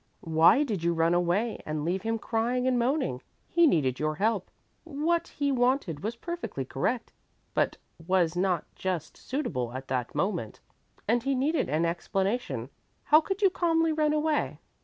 "Why did you run away and leave him crying and moaning? He needed your help. What he wanted was perfectly correct but was not just suitable at that moment, and he needed an explanation. How could you calmly run away?"